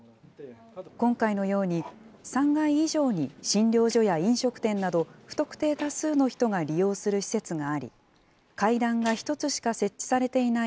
今回のように、３階以上に診療所や飲食店など、不特定多数の人が利用する施設があり、階段が１つしか設置されていない